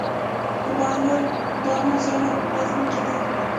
د بهلول دانا زيارت په غزنی کی دی